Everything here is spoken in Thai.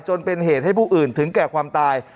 จนเป็นเหตุให้ผู้อื่นถึงแก่ความตาย